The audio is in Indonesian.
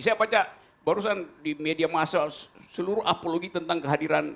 saya baca barusan di media masa seluruh apologi tentang kehadiran